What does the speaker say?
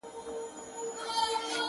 • همېشه رڼې اوبه پکښي بهاندي ,